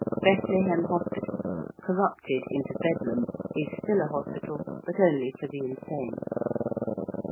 ~Bethlehem Hospital~, corrupted into Bedlam, is still a hospital, but only for the insane.